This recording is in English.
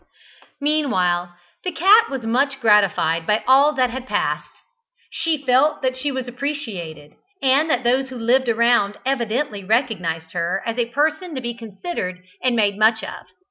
Meanwhile the cat was much gratified by all that had passed. She felt that she was appreciated; and that those who lived around evidently recognized her as a person to be considered and made much of.